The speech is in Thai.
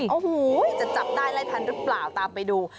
โอ้โหจะจับได้ไล่ทันหรือเปล่าตามไปดู